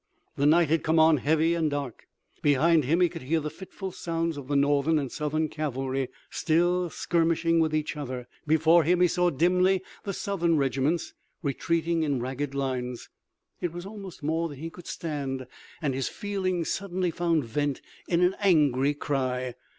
The night had come on heavy and dark. Behind him he could hear the fitful sounds of the Northern and Southern cavalry still skirmishing with each other. Before him he saw dimly the Southern regiments, retreating in ragged lines. It was almost more than he could stand, and his feelings suddenly found vent in an angry cry.